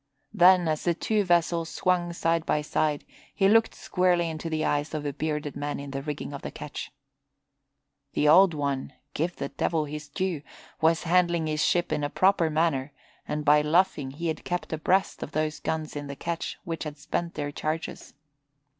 Then, as the two vessels swung side by side he looked squarely into the eyes of a bearded man in the rigging of the ketch. The Old One give the Devil his due! was handling his ship in a proper manner and by luffing he had kept abreast of those guns in the ketch which had spent their charges.